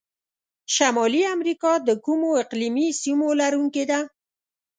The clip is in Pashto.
شمالي امریکا د کومو اقلیمي سیمو لرونکي ده؟